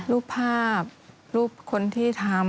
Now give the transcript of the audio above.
รูปภาพรูปคนที่ทำ